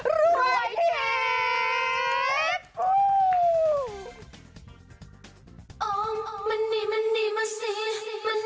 รวยเทป